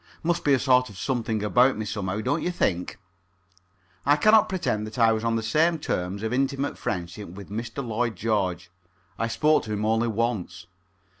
Must be a sort of something about me somehow, don't you think? I cannot pretend that I was on the same terms of intimate friendship with Mr. Lloyd George. I spoke to him only once.